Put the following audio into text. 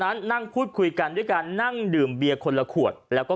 นั้นนั่งพูดคุยกันด้วยการนั่งดื่มเบียร์คนละขวดแล้วก็